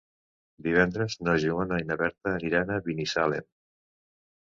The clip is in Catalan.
Divendres na Joana i na Berta aniran a Binissalem.